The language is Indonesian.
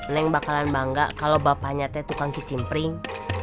neng bakalan bangga kalau bapaknya tuh kan kicimpring